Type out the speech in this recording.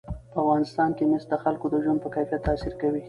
په افغانستان کې مس د خلکو د ژوند په کیفیت تاثیر کوي.